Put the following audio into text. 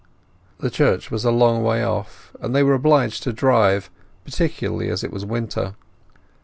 The church was a long way off, and they were obliged to drive, particularly as it was winter.